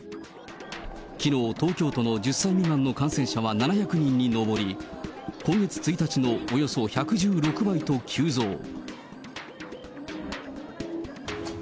きのう、東京都の１０歳未満の感染者は７００人に上り、今月１日のおよそ１１６倍と急増。